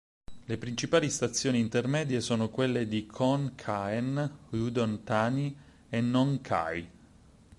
Le principali stazioni intermedie sono quelle di Khon Kaen, Udon Thani e Nong Khai.